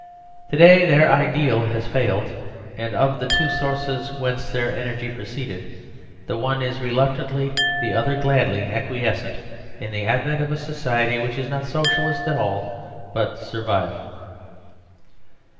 To day their ideal has failed, and of the two sources whence their energy proceeded, the one is reluctantly, the other gladly, acquiescent in the advent of a society which is not So cialist at all but Servile.